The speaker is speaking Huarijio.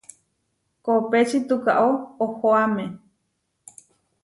Kopéči tukaó ohoáme.